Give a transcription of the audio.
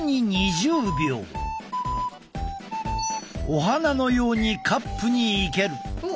お花のようにカップに生ける。